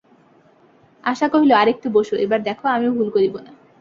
আশা কহিল, আর একটু বোসো, এবার দেখো, আমি ভুল করিব না।